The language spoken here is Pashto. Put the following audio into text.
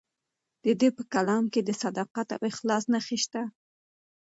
د ده په کلام کې د صداقت او اخلاص نښې شته.